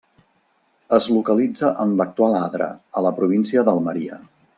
Es localitza en l'actual Adra, a la província d'Almeria.